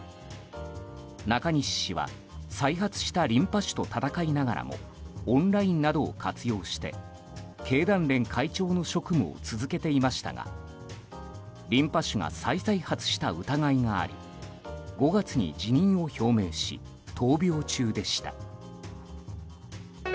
中西氏は再発したリンパ腫と闘いながらもオンラインなどを活用して経団連会長の職務を続けていましたがリンパ腫が再々発した疑いがあり５月に辞任を表明し闘病中でした。